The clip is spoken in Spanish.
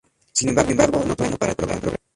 Sin embargo, no todo fue bueno para el programa.